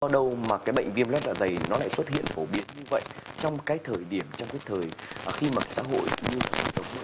do đâu mà cái bệnh viêm lét dạ dày nó lại xuất hiện phổ biến như vậy trong cái thời điểm trong cái thời khi mà xã hội như mọi người